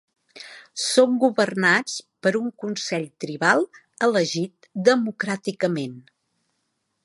Són governats per un consell tribal elegit democràticament.